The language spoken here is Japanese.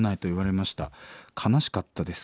悲しかったです。